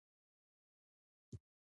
حاجي مریم اکا معلومات ورکړي دي.